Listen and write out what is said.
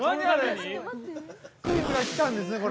クイズが来たんですね、これ。